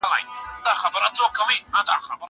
زه به سبا درسونه لوستل کوم!